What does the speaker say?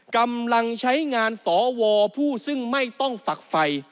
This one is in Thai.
กำลังใช้งานสวผู้ซึ่งไม่ต้องฝักไฟ